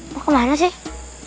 mau kemana sih